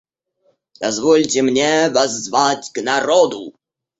Дозвольте мне воззвать к народу.